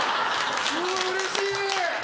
うわうれしい！